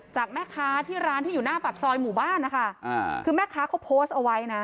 จากแม่ค้าที่ร้านที่อยู่หน้าปากซอยหมู่บ้านนะคะอ่าคือแม่ค้าเขาโพสต์เอาไว้นะ